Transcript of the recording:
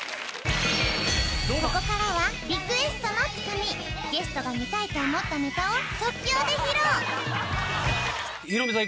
ここからはゲストが見たいと思ったネタを即興で披露ヒロミさん